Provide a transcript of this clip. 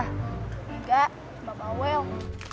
nggak mbak pawel